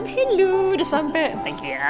hello udah sampe thank you ya